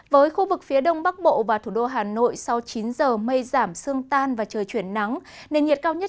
với khu vực phía đông bắc bộ và thủ đô hà nội sau chín giờ mây giảm sương tan và trời chuyển nắng nền nhiệt cao nhất